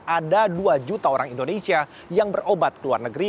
ada dua juta orang indonesia yang berobat ke luar negeri